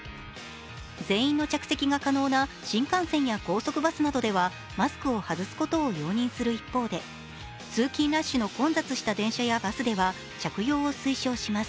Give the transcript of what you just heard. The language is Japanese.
全員の着席が可能な新幹線や高速バスなどではマスクを外すことを容認する一方で通勤ラッシュの混雑した電車やバスでは着用を推奨します。